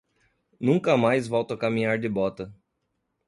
Nunca mais volto a caminhar de bota.